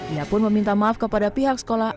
ia pun meminta maaf kepada pihak sekolah